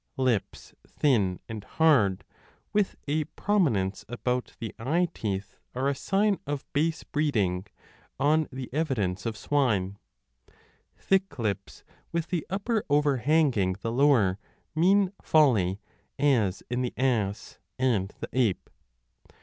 Lips thin and hard with a prominence about the eye teeth are a sign of base breeding, 3 on the evidence of swine. Thick lips, with 25 the upper overhanging the lower, mean folly, as in the ass and the ape.